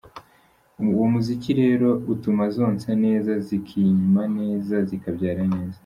Uwo muziki rero utuma zonsa neza, zikima neza zikabyara neza.